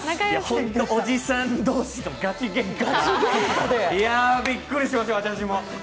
ホント、おじさん同士のガチげんかいや、びっくりしました、私も。